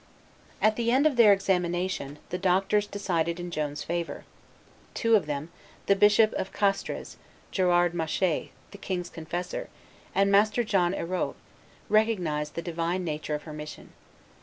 At the end of their examination, the doctors decided in Joan's favor. Two of them, the Bishop of Castres, Gerard Machet, the king's confessor, and Master John Erault, recognized the divine nature of her mission.